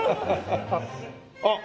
あっ！